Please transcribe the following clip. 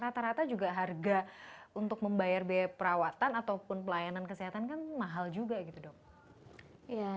rata rata juga harga untuk membayar biaya perawatan atau pelayanan kesehatan mahal juga